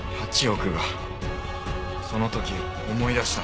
その時思い出したんだ。